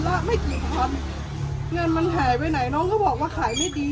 ละไม่กี่พันเงินมันหายไปไหนน้องก็บอกว่าขายไม่ดี